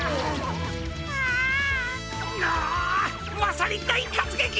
まさにだいかつげき！